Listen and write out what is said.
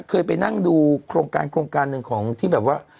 เคยไปนั่งดูโครงการนึงของที่แบบว่า